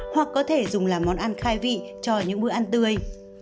hoặc có thể dùng là món ăn khai vị cho những bữa ăn tươi